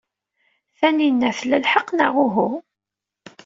Tanina tla lḥeqq, neɣ uhu?